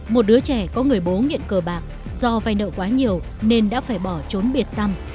một đứa trẻ có người bố nghiện cờ bạc do vay nợ quá nhiều nên đã phải bỏ trốn biệt tâm